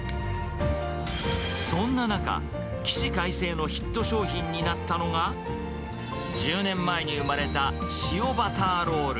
そんな中、起死回生のヒット商品になったのが、１０年前に生まれた塩バターロール。